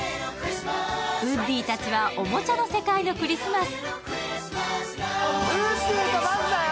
ウッディたちはおもちゃの世界のクリスマス。